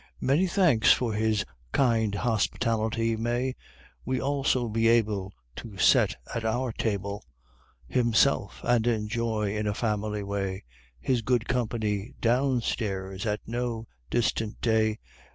Many thanks for his kind hospitality may We also be able To see at our table Himself, and enjoy, in a family way, His good company down stairs at no distant day!